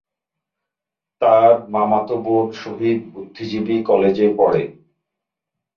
তার মামাতো বোন শহীদ বুদ্ধিজীবী কলেজে পড়ে।